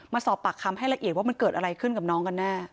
มาสอบปากคำให้ละเอียดว่ามันเกิดอะไรขึ้นกับน้องกันแน่